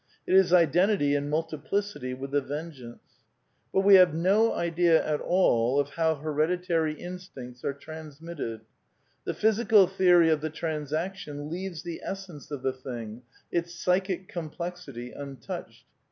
It is identity in ip ii|tip^^'^ But we have no idea at all of how he reditary iQatincts ar^transmitted. The physicaTlEeory of the transaction leaves the essenSe of the thing — its psychic complexity — untouched.